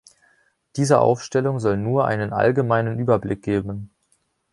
Diese Aufstellung soll nur einen allgemeinen Überblick geben.